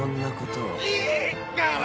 いいから！